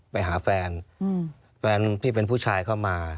ไปหาแฟนแฟนที่เป็นผู้ชายเข้ามา